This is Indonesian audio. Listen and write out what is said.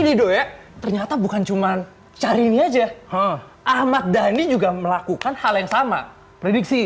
lido ya ternyata bukan cuman cari ini aja ahmad dhani juga melakukan hal yang sama prediksi